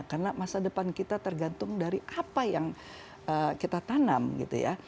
karena masa depan kita tergantung dari apa yang kita tanam gitu ya